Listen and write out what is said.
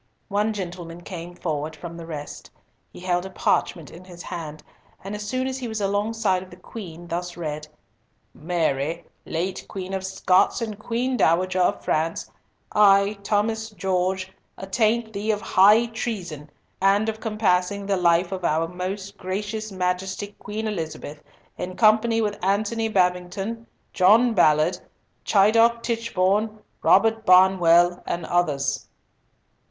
One gentleman came forward from the rest. He held a parchment in his hand, and as soon as he was alongside of the Queen thus read:— "Mary, late Queen of Scots and Queen Dowager of France, I, Thomas Gorges, attaint thee of high treason and of compassing the life of our most Gracious Majesty Queen Elizabeth, in company with Antony Babington, John Ballard, Chidiock Tichborne, Robert Barnwell, and others."